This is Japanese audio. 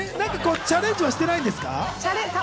チャレンジはしていないんですか？